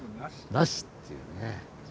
なしっていうね。